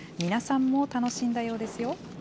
皆さんも楽しんだようですよ。